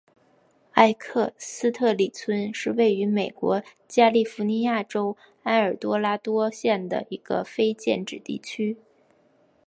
埃克斯特里村是位于美国加利福尼亚州埃尔多拉多县的一个非建制地区。